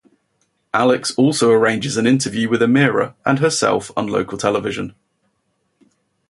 Alix also arranges an interview with Emira and herself on local television.